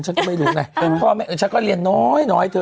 ฉันก็ไม่รู้ไงพ่อแม่ฉันก็เรียนน้อยเธอ